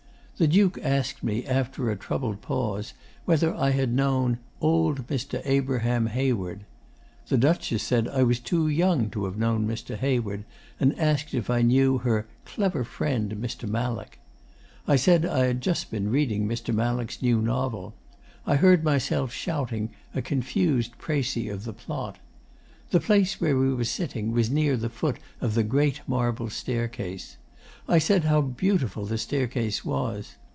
The Duke asked me, after a troubled pause, whether I had known "old Mr. Abraham Hayward." The Duchess said I was too young to have known Mr. Hayward, and asked if I knew her "clever friend Mr. Mallock." I said I had just been reading Mr. Mallock's new novel. I heard myself shouting a confused precis of the plot. The place where we were sitting was near the foot of the great marble staircase. I said how beautiful the staircase was.